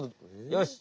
よし！